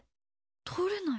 通れない。